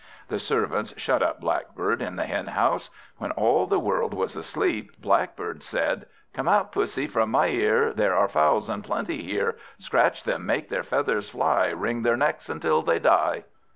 The servants shut up Blackbird in the henhouse. When all the world was asleep, Blackbird said "Come out, Pussy, from my ear, There are fowls in plenty here; Scratch them, make their feathers fly, Wring their necks until they die."